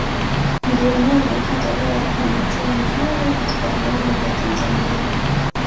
ndio maana hata leo wana uchumi mzuri katika viwango vya Tanzania